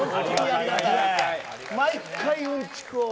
毎回、うんちくを。